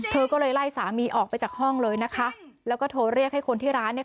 เธอก็เลยไล่สามีออกไปจากห้องเลยนะคะแล้วก็โทรเรียกให้คนที่ร้านเนี่ย